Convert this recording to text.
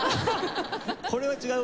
これは違う？